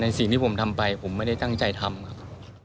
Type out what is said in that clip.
สิ่งที่ผมทำไปผมไม่ได้ตั้งใจทำครับ